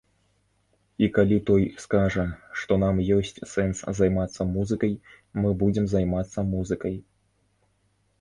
І калі той скажа, што нам ёсць сэнс займацца музыкай, мы будзем займацца музыкай.